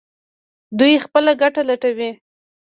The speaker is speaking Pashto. دوی خپله ګټه لټوي.